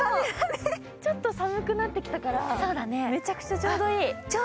ちょっと寒くなってきたからめちゃくちゃちょうどいい。